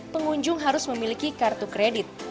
pengunjung harus memiliki kartu kredit